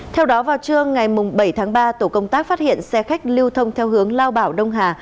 theo đó vào trưa ngày bảy tháng ba tổ công tác phát hiện xe khách lưu thông theo hướng lao bảo đông hà